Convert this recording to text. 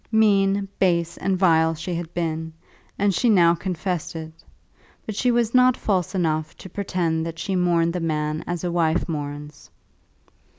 Mean, base, and vile she had been, and she now confessed it; but she was not false enough to pretend that she mourned the man as a wife mourns.